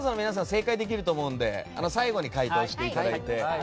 正解できると思うので最後に回答していただいて。